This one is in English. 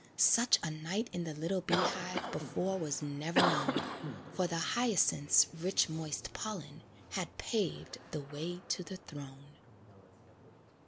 Such a night in the little bee hive Before was never known; For the hyacinth's rich moist pollen Had paved the way to the throne.